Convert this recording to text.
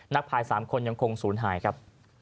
ภาย๓คนยังคงศูนย์หายครับ